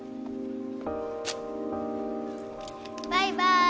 バイバーイ。